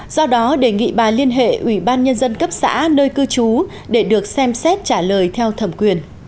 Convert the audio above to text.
do đó đề nghị bà liên hệ ủy ban nhân dân cấp xã nơi cư trú để được xem xét trả lời theo thẩm quyền